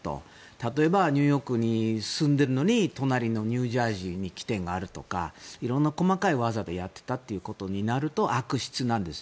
例えばニューヨークに住んでいるのに隣のニュージャージー州に基点があるとか色んな細かい技でやっていたということになると悪質なんです。